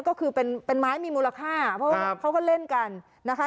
ก็คือเป็นไม้มีมูลค่าเพราะว่าเขาก็เล่นกันนะคะ